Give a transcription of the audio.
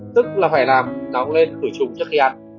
tức là phải làm nóng lên tủi trùng trước khi ăn